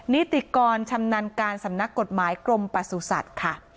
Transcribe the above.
นิติกรชำนาญการสำนักกฎหมายกรมประสุทธิ์ค่ะ